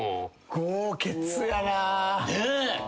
豪傑やな。